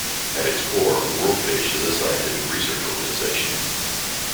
At its core, WorldFish is a scientific research organization.